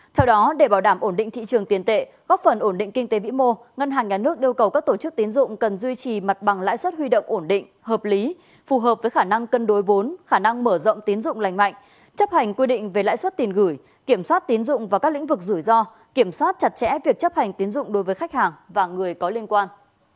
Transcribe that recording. theo đó để bảo đảm ổn định thị trường tiền tệ góp phần ổn định kinh tế vĩ mô ngân hàng nhà nước yêu cầu các tổ chức tiến dụng cần duy trì mặt bằng lãi suất huy động ổn định hợp lý phù hợp với khả năng cân đối vốn khả năng mở rộng tiến dụng lành mạnh chấp hành quy định về lãi suất tiền gửi kiểm soát tiến dụng và các lĩnh vực rủi ro kiểm soát chặt chẽ việc chấp hành tiến dụng đối với khách hàng và người có liên quan